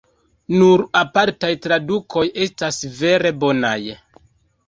Nur apartaj tradukoj estas vere bonaj.